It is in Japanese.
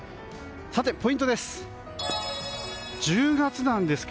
ポイントです。